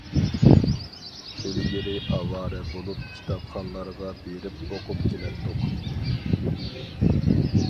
ئىلگىرى ئاۋارە بولۇپ، كىتابخانلارغا بېرىپ ئوقۇپ كېلەتتۇق.